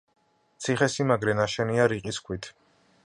ციხესიმაგრე ნაშენია რიყის ქვით.